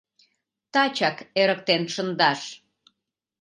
Тачак эрыктен шындаш!